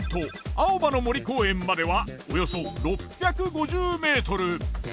青葉の森公園まではおよそ６５０ｍ。